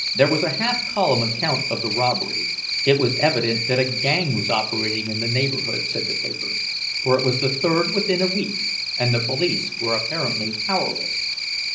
There was a half column account of the robbery—it was evident that a gang was operating in the neighborhood, said the paper, for it was the third within a week, and the police were apparently powerless.